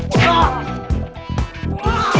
lo jangan lari